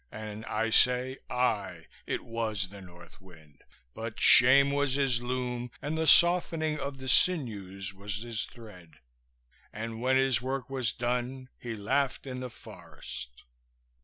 "And I say, Ay, it was the north wind, but shame was his loom, and the softening of the sinews was his thread. "And when his work was done he laughed in the forest."